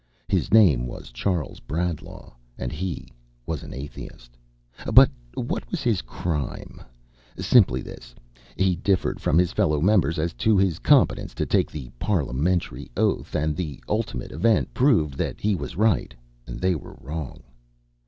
His name was Charles Bradlaugh, and he was an Atheist. But what was his crime? Simply this: he differed from his fellow members as to his competence to take the parliamentary oath, and the ultimate event proved that he was right and they were wrong.